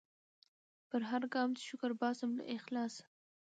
پر هرګام چي شکر باسم له اخلاصه